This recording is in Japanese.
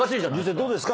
どうですか？